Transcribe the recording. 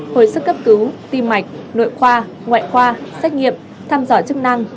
hồi sức cấp cứu tiêm mạch nội khoa ngoại khoa xét nghiệp thăm dõi chức năng